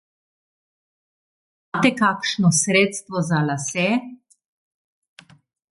Imate kakšno sredstvo za lase?